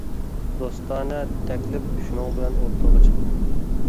دوستانە تەكلىپ شۇنىڭ بىلەن ئوتتۇرىغا چىقتى.